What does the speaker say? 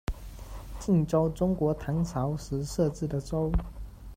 靖州，中国唐朝时设置的州。